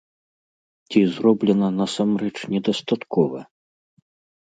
Ці зроблена насамрэч недастаткова?